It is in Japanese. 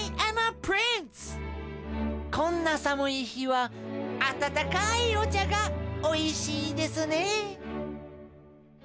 こんなさむい日はあたたかいおちゃがおいしいですね。